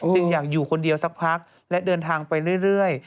อยากอยู่คนเดียวสักพักและเดินทางไปเรื่อย